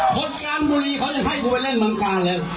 คนการบุรีเขาจะให้กูไปเล่นเมืองกาลเลย